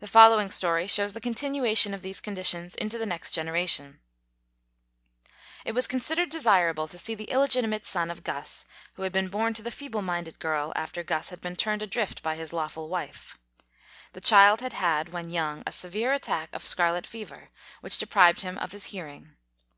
The following story shows the continuation of these conditions into the next generation : It was considered desirable to see the illegitimate soil of Guss, who had been born to the feeble minded girl after Guss had been turned adrift by his lawful wife. This child had had, when young, a severe attack of scarlet fever which deprived him of his hearing.